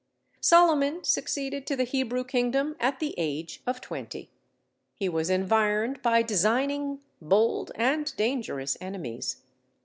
Solomon succeeded to the Hebrew kingdom at the age of twenty. He was environed by designing, bold, and dangerous enemies.